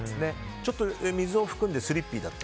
ちょっと水を含んでスリッピーだったと。